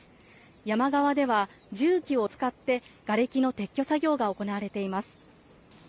山側では重機を使ってがれきの撤去作業が行われています。